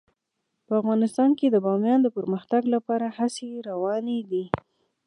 په افغانستان کې د بامیان د پرمختګ لپاره هڅې روانې دي.